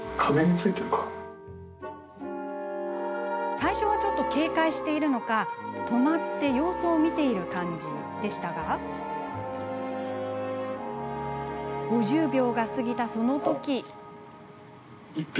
最初はちょっと警戒しているのか止まって様子を見ている感じでしたが５０秒が過ぎた、そのとき。